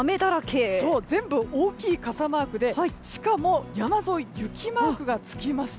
全部大きい傘マークでしかも山沿いは雪マークが付きました。